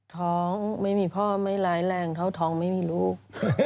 ท้องไม่มีพ่อไม่ร้ายแรงเท่าท้องไม่มีลูก